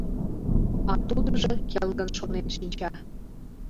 А тудыжо келгын шонен шинча.